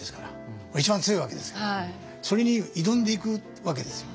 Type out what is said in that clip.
それに挑んでいくわけですよね。